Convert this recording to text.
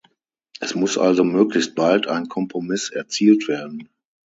Es muss also möglichst bald ein Kompromiss erzielt werden.